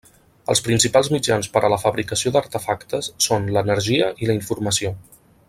Els principals mitjans per a la fabricació d'artefactes són l'energia i la informació.